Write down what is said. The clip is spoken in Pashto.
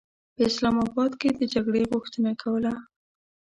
په اسلام اباد کې د جګړې غوښتنه کوله.